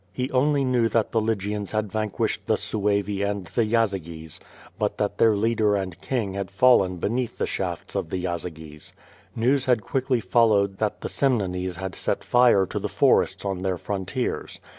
He only knew that the Ly gians had vanquished the Suevi and the Yazyges, but that their leader and king had fallen beneath the shafts of the Yaziges. News had quickly followed that the Semnones had set fire to the forests on their frontiers.